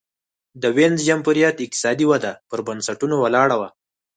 د وینز جمهوریت اقتصادي وده پر بنسټونو ولاړه وه.